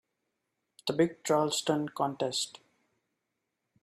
The big Charleston contest.